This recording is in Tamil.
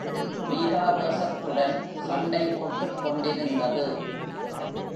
வீராவேசத்துடன் சண்டை போட்டுக் கொண்டிருந்தது.